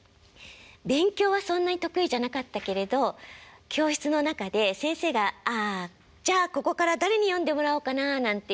勉強はそんなに得意じゃなかったけれど教室の中で先生が「じゃここから誰に読んでもらおうかな」なんて言って教科書音読するでしょ？